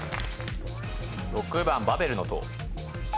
６番バベルの塔。